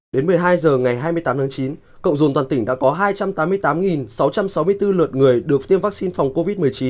đến một mươi hai h ngày hai mươi tám tháng chín cộng dồn toàn tỉnh đã có hai trăm tám mươi tám sáu trăm sáu mươi bốn lượt người được tiêm vaccine phòng covid một mươi chín